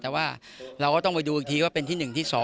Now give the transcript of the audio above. แต่ว่าเราก็ต้องไปดูอีกทีว่าเป็นที่๑ที่๒